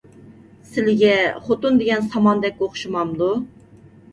سىلىگە خوتۇن دېگەن ساماندەك ئوخشىمامدۇ؟